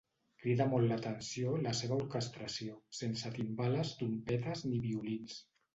Crida molt l'atenció la seva orquestració: sense timbales, trompetes, ni violins.